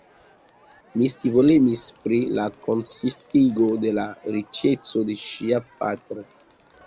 Mi scivolemis pri la konsistigo de la riĉeco de ŝia patro.